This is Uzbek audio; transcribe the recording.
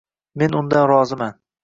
Men undan roziman